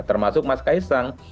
termasuk mas kaisang